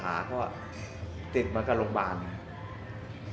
ผ้าทำผมผ้าทำนวดขาเขาติดมาก็โรงพยาบาลนะ